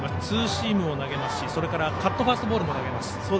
ツーシームを投げますしカットファストボールも投げます。